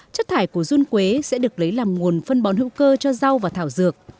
chất thải của run quế sẽ được lấy làm nguồn phân bón hữu cơ cho rau và thảo dược